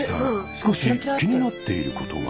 少し気になっていることが。